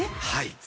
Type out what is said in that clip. はい。